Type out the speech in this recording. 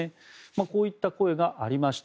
こういった声がありました。